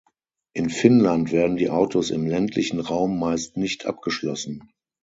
In Finnland werden die Autos im ländlichen Raum meist nicht abgeschlossen.